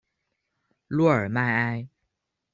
洛尔迈埃。